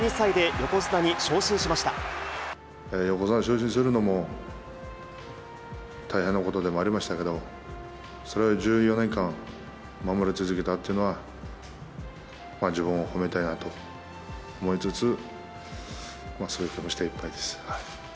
横綱に昇進するのも、大変なことではありましたけど、それを１４年間守り続けたっていうのは、自分を褒めたいなと思いつつ、そういう気持ちでいっぱいです。